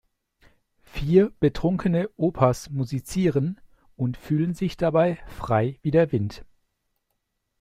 Vier betrunkene Opas musizieren und fühlen sich dabei frei wie der Wind.